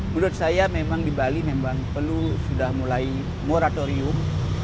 menurut saya memang di bali memang perlu sudah mulai moratorium